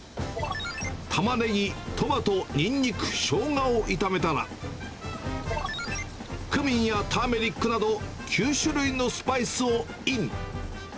タマネギ、トマト、ニンニク、ショウガを炒めたら、クミンやターメリックなど、９種類のスパイスをイン。